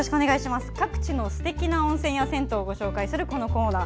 各地のすてきな温泉や銭湯をご紹介するこのコーナー。